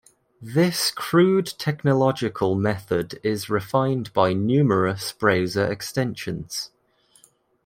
This crude technological method is refined by numerous browser extensions.